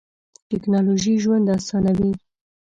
ټیکنالوژی ژوند اسانوی.